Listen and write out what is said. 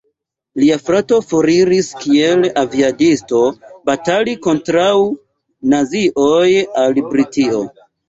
Lia frato foriris kiel aviadisto batali kontraŭ nazioj al Britio.